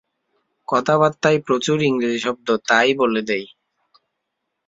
কথাবার্তায় প্রচুর ইংরেজি শব্দ-তা-ই বলে দেয়।